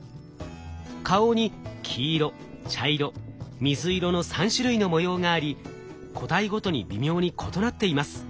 顔に黄色茶色水色の３種類の模様があり個体ごとに微妙に異なっています。